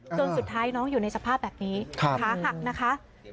สุดท้ายน้องอยู่ในสภาพแบบนี้ขาหักนะคะ